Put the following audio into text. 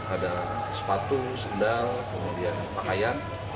ada sepatu sendal kemudian pakaian